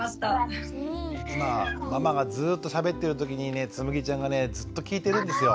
今ママがずっとしゃべってるときにねつむぎちゃんがねずっと聞いてるんですよ。